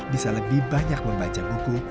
bisa lebih banyak membaca buku